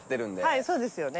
はいそうですよね。